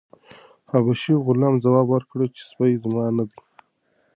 حبشي غلام ځواب ورکړ چې سپی زما نه دی.